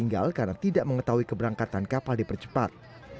tapi tidak tertinggal karena tidak mengetahui keberangkatan kapal dipercepat